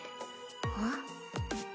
あっ？